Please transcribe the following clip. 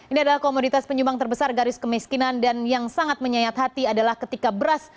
ini adalah komoditas penyumbang terbesar garis kemiskinan dan yang sangat menyayat hati adalah ketika beras